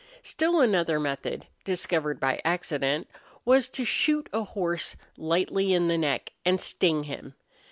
Still another method, discovered by accident, was to shoot a horse lightly in the neck and sting him.